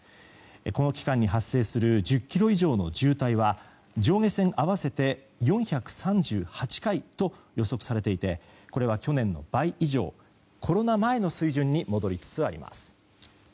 この期間に発生する１０ｋｍ以上の渋滞は上下線合わせて４３８回と予測されていてこれは去年の倍以上コロナ前の水準に戻りつつあります。